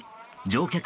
乗客